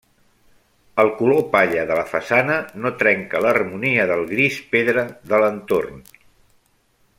El color palla de la façana no trenca l'harmonia del gris pedra de l'entorn.